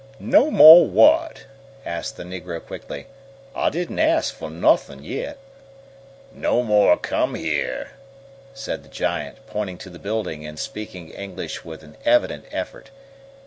"No mo' whut?" asked the negro quickly. "I didn't axt yo' fo' nuffin yit!" "No more come here!" said the giant, pointing to the building and speaking English with an evident effort.